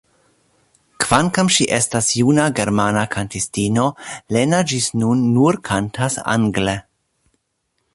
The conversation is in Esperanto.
Kvankam ŝi estas juna germana kantistino Lena ĝis nun nur kantas angle.